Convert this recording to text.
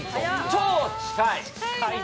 超近い。